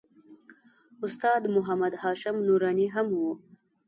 استاد محمد هاشم نوراني هم و.